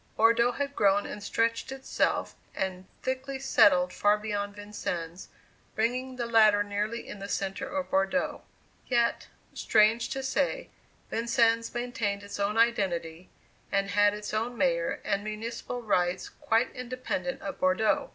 Bordeaux had grown and stretched itself and thickly settled far beyond Vincennes, bringing the latter nearly in the centre of Bordeaux; yet, strange to say, Vincennes maintained its own identity, and had its own Mayor and municipal rights quite independent of Bordeaux.